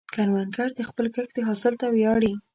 کروندګر د خپل کښت حاصل ته ویاړي